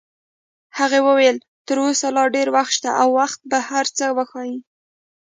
هغې وویل: تر اوسه لا ډېر وخت شته او وخت به هر څه وښایي.